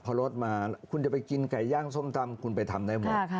พอรถมาคุณจะไปกินไก่ย่างส้มตำคุณไปทำได้หมด